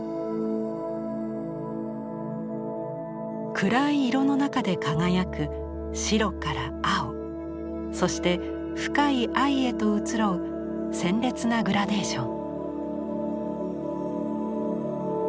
暗い色の中で輝く白から青そして深い藍へと移ろう鮮烈なグラデーション。